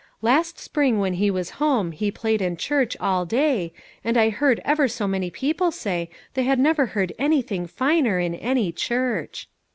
Last spring when he was home he played in church all day, and I heard ever so many peo ple say they had never heard anything finer in any church."